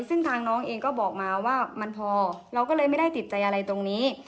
ซึ่งทางน้องเองก็บอกมาว่ามันพอเราก็เลยไม่ได้ติดใจอะไรตรงนี้